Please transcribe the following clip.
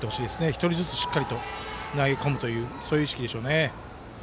１人ずつ、しっかりと投げ込むという意識でしょうね。